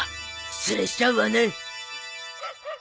失礼しちゃうわね。